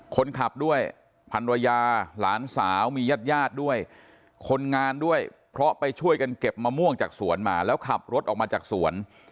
คนขับด้วยพันรยาหลานสาวมีญาติญาติด้วยคนงานด้วยเพราะไปช่วยกันเก็บมะม่วงจากสวนมาแล้วขับรถออกมาจากสวน